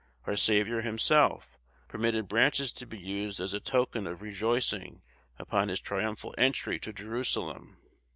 Our Saviour Himself permitted branches to be used as a token of rejoicing, upon His triumphal entry to Jerusalem.